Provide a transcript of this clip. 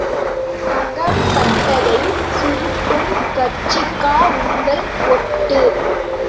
அகப்பட்டதைச் சுருட்டும் கட்சிக்கா உங்கள் ஒட்டு?